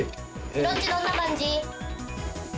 ひろっちどんな感じ？